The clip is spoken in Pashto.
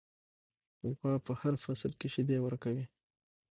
غوا په هر فصل کې شیدې ورکوي.